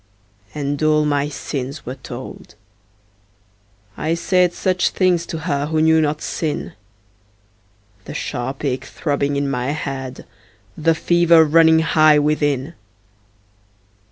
And all my sins were told; I said Such things to her who knew not sin The sharp ache throbbing in my head, The fever running high within.